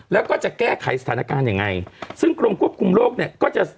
แล้วก็จะแก้ไขสถานการณ์ยังไงซึ่งกรมควบคุมโรคเนี่ยก็จะ